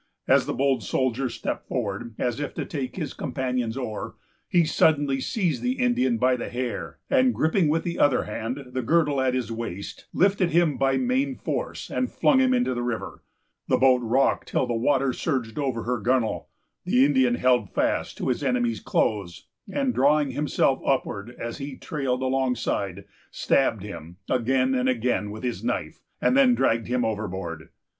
As the bold soldier stepped forward, as if to take his companion's oar, he suddenly seized the Indian by the hair, and, griping with the other hand the girdle at his waist, lifted him by main force, and flung him into the river. The boat rocked till the water surged over her gunwale. The Indian held fast to his enemy's clothes, and, drawing himself upward as he trailed alongside, stabbed him again and again with his knife, and then dragged him overboard.